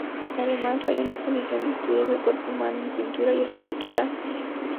Además, hay un exposición de estudios del cuerpo humano en pintura y escultura.